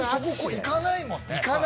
行かないもん。